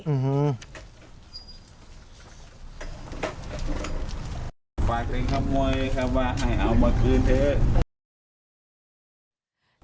อื้อฮือ